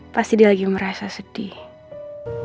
pasti dia lagi merasa sedih